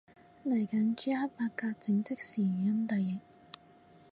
嚟緊朱克伯格整即時語音對譯